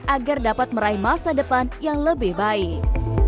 agar dapat meraih masa depan yang lebih baik